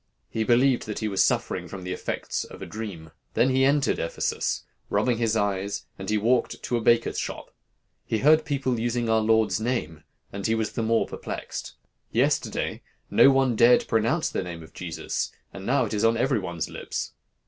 He believed that he was suffering from the effects of a dream. Then he entered Ephesus, rubbing his eyes, and he walked to a baker's shop. He heard people using our Lord's name, and he was the more perplexed. 'Yesterday, no one dared pronounce the name of Jesus, and now it is on every one's lips.